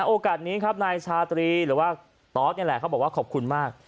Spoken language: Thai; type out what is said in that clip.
โอกาสนี้ครับนายชาตรีหรือว่าตอสนี่แหละเขาบอกว่าขอบคุณมาก